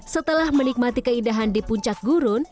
setelah menikmati keindahan di puncak gurun